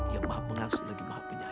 yang maha pengasuh lagi maha penyayang